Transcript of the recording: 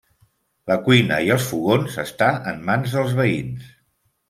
La cuina i els fogons està en mans dels veïns.